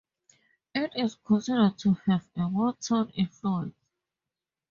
It is considered to have a Motown influence.